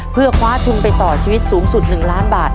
เพื่อคว้าทุนไปต่อชีวิตสูงสุด๑ล้านบาท